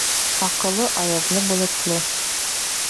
Аҡылы аяҙлы-болотло.